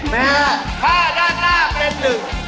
แม่ข้าราคาเป็นหนึ่ง